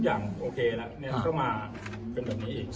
ทุกอย่างโอเคแล้วเนี้ยเข้ามาเป็นแบบนี้อีก